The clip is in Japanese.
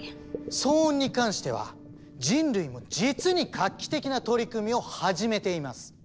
騒音に関しては人類も実に画期的な取り組みを始めています。